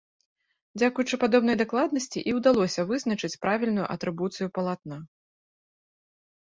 Дзякуючы падобнай дакладнасці і ўдалося вызначыць правільную атрыбуцыю палатна.